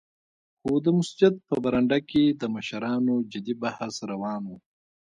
خو د مسجد په برنډه کې د مشرانو جدي بحث روان و.